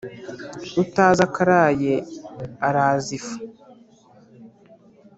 Utazi akaraye araza ifu.